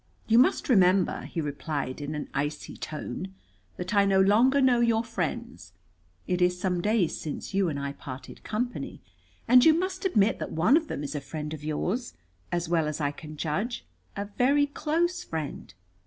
"You must remember," he replied in an icy tone, "that I no longer know your friends. It is some days since you and I parted company. And you must admit that one of them is a friend of yours as well as I can judge, a very close friend."